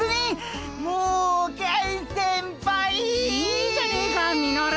いいじゃねえかミノル。